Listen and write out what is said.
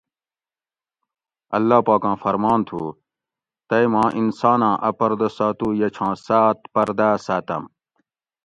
"اللّہ پاکاں فرمان تھو ""تئی ماں انساناں ا پردہ ساتو یہ چھاں سات پرداۤ ساۤتم"""